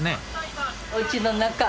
おうちの中。